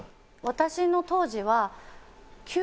私の当時は。